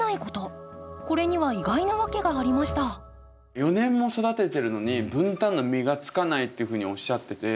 ４年も育ててるのにブンタンの実がつかないっていうふうにおっしゃってて